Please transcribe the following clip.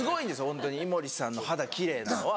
ホントに井森さんの肌奇麗なのは。